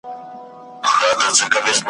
مشعلونو له جملې څخه و